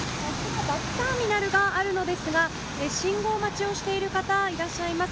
バスターミナルがあるんですが信号待ちをしている方がいらっしゃいます。